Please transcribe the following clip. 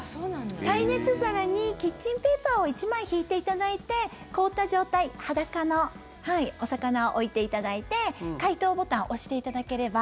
耐熱皿にキッチンペーパーを１枚引いていただいて凍った状態裸のお魚を置いていただいて解凍ボタンを押していただければ。